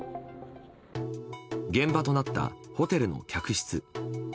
現場となったホテルの客室。